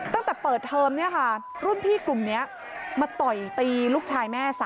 ตั้งแต่เปิดเทอมเนี่ยค่ะรุ่นพี่กลุ่มนี้มาต่อยตีลูกชายแม่๓